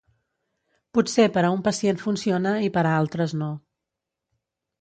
Potser per a un pacient funciona i per a altres no.